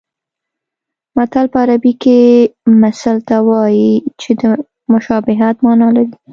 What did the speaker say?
متل په عربي کې مثل ته وایي چې د مشابهت مانا لري